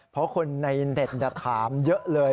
เพราะคนในเน็ตถามเยอะเลย